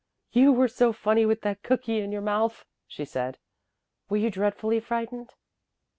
"You were so funny with that cookie in your mouth," she said. "Were you dreadfully frightened?"